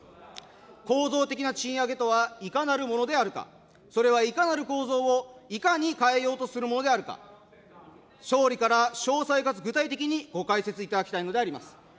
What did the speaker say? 構造的な賃上げとはいかなるものであるか、それはいかなる構造をいかに変えようとするものであるか、総理から詳細かつ具体的にご解説いただきたいのであります。